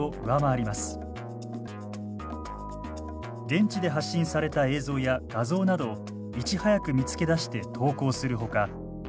現地で発信された映像や画像などをいち早く見つけ出して投稿するほか。